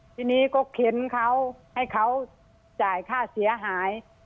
ทีนี้ก็เข็นเขาให้เขาจ่ายค่าเสียหาย